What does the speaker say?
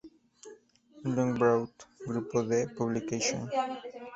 Loughborough: Group D Publications.